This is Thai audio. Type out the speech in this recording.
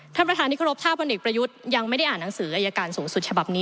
ท่านประธานที่เคารพถ้าพลเอกประยุทธ์ยังไม่ได้อ่านหนังสืออายการสูงสุดฉบับนี้